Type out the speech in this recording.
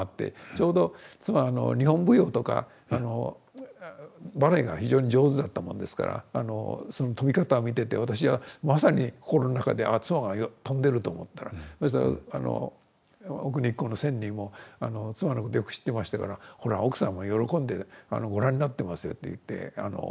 ちょうど妻は日本舞踊とかバレエが非常に上手だったもんですからその飛び方を見てて私はまさに心の中ではあっ妻が飛んでると思ったらそしたら奥日光の仙人も妻のことをよく知ってましたから「ほら奥さんも喜んでご覧になってますよ」って私に言ってくれましたね。